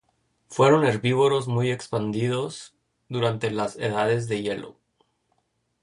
Fueron herbívoros muy expandidos durante las edades de hielo.